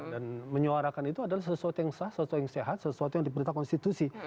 dan menyuarakan itu adalah sesuatu yang sah sesuatu yang sehat sesuatu yang diperintah konstitusi